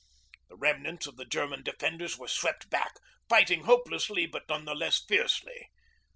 The remnants of the German defenders were swept back, fighting hopelessly but none the less fiercely.